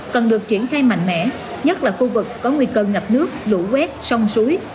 cần được triển khai mạnh mẽ nhất là khu vực có nguy cơ ngập nước lũ quét sông suối